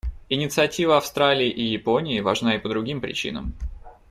Инициатива Австралии и Японии важна и по другим причинам.